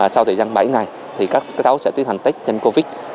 sau thời gian bảy ngày các cháu sẽ tiến hành tích nhanh covid